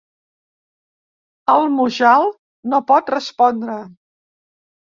El Mujal no pot respondre.